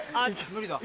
無理だ。